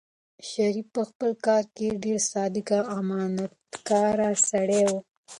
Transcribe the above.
شریف په خپل کار کې ډېر صادق او امانتکار سړی و.